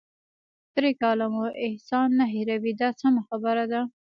درې کاله مو احسان نه هیروي دا سمه خبره ده.